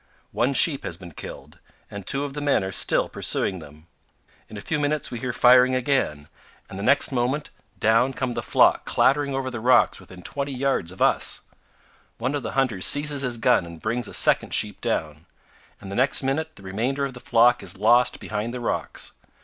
One sheep has been killed, and two of the men are still pursuing them. In a few minutes we hear firing again, and the next moment down come the flock clattering over the rocks within 20 224 CANYONS OF THE COLORADO. yards of us. One of the hunters seizes his gun and brings a second sheep down, and the next minute the remainder of the flock is lost behind the rocks.